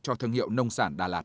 cho thương hiệu nông sản đà lạt